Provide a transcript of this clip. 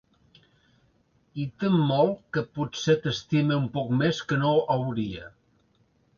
I tem molt que pot-ser t'estime un poc més que no hauria.